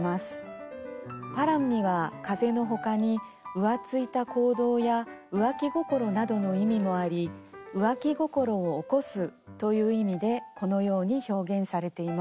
パラムには風のほかに浮ついた行動や浮気心などの意味もあり浮気心を起こすという意味でこのように表現されています。